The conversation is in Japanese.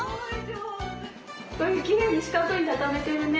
きれいにしかくにたためてるね。